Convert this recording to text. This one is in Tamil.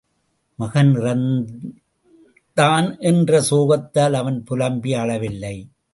மகன் இறந்தான் என்ற சோகத்தால் அவன் புலம்பி அழவில்லை.